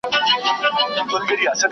هغه خپله پېښه بیان کړه.